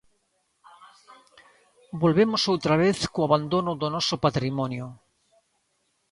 Volvemos outra vez co abandono do noso patrimonio.